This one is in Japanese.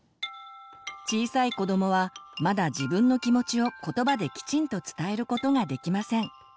小さい子どもはまだ自分の気持ちを言葉できちんと伝えることができません。